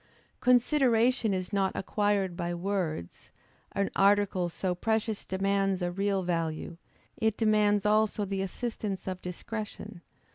Consideration is not acquired by words; an article so precious demands a real value; it demands also the assistance of discretion.